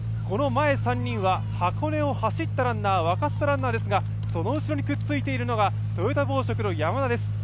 この前３人は箱根を走ったランナー沸かせたランナーですが、その後ろにくっついているのはトヨタ紡織の山田です。